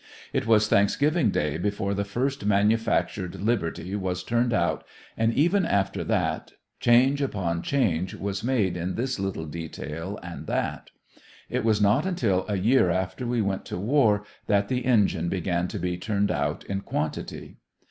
It was Thanksgiving Day before the first manufactured Liberty was turned out and even after that change upon change was made in this little detail and that. It was not until a year after we went to war that the engine began to be turned out in quantity.